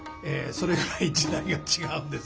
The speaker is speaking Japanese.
それぐらい時代が違うんですけど。